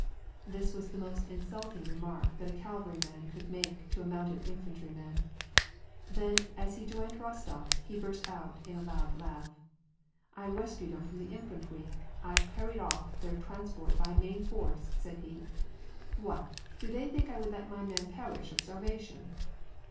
This was the most insulting remark that a cavalryman could make to a mounted infantry man. Then as he joined Rostof, he burst into a loud laugh. "I wescued 'em from the infantwy, I cawied off their 'twansport' by main force," said he. "What! do they think I would let my men pewish of starvation